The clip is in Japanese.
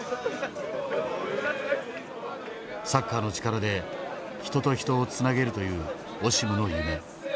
サッカーの力で人と人をつなげるというオシムの夢。